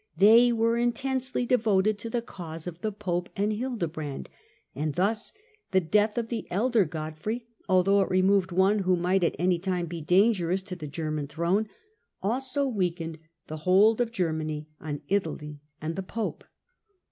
They were intensely devoted to the cause of the pope and Hilde brand, and thus the death of the elder Godfrey, although it removed one who might at any time be dangerous to the German throne, also weakened the hold of Germany on Italy and the pope.